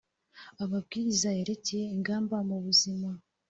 amabwiriza yerekeye ingamba mu buzima